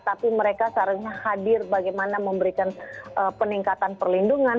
tapi mereka seharusnya hadir bagaimana memberikan peningkatan perlindungan